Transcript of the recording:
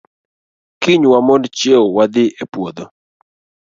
Kiny wamond chieo wadhii e puondo